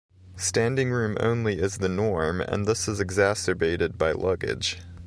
Standing room only is the norm, and this is exacerbated by luggage.